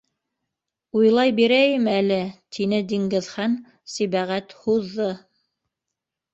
Уйлай бирәйем әле, тине Диңгеҙхан-Сибәғәт, һуҙҙы.